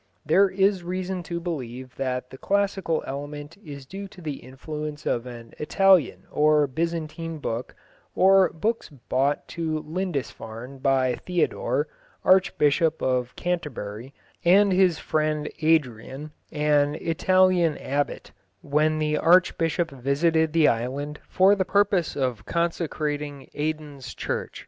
There is reason to believe that the classical element is due to the influence of an Italian or Byzantine book or books brought to Lindisfarne by Theodore, Archbishop of Canterbury, and his friend Adrian, an Italian abbot, when the archbishop visited the island for the purpose of consecrating Aidan's church.